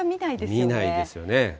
見ないですよね。